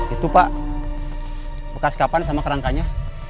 itu pak bekas kapan sama kerangkanya